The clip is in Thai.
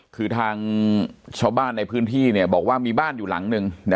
คือทางชาวบ้านในพื้นที่บอกว่ามีบ้านอยู่หลังนึง